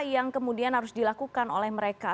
yang kemudian harus dilakukan oleh mereka